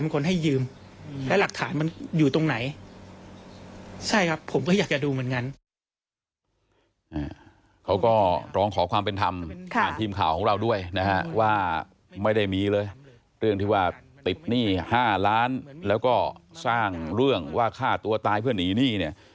เขาก็อยากจะดูเหมือนกันเขาก็ร้องขอความเป็นธรรมผ่านทีมข่าวของเราด้วยนะฮะว่าไม่ได้มีเลยเรื่องที่ว่าติดหนี้๕ล้านแล้วก็สร้างเรื่องว่าฆ่าตัวตายเพื่อหนีหนี้เนี่ย